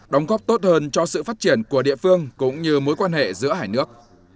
đóng góp tốt hơn cho sự phát triển của địa phương cũng như mối quan hệ giữa hai nước